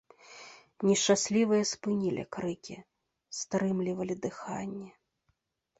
Нешчаслівыя спынілі крыкі, стрымлівалі дыханне.